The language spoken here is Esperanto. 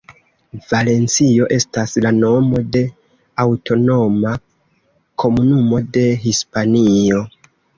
Valencio estas la nomo de aŭtonoma komunumo de Hispanio.